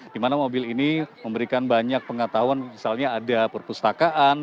di mana mobil ini memberikan banyak pengetahuan misalnya ada perpustakaan